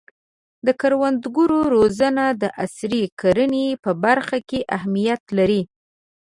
د کروندګرو روزنه د عصري کرنې په برخه کې اهمیت لري.